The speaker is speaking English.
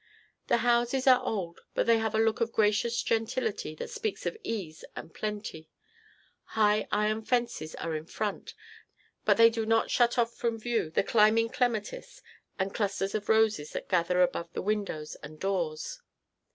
The houses are old, but they have a look of gracious gentility that speaks of ease and plenty. High iron fences are in front, but they do not shut off from view the climbing clematis and clusters of roses that gather over the windows and doors.